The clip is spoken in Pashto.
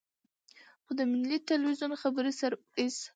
خو د ملي ټلویزیون خبري سرویس.